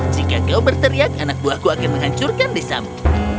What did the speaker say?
jika kau berteriak anak buahku akan menghancurkan desamu